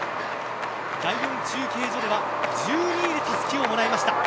第４中継所では１２位でたすきをもらいました。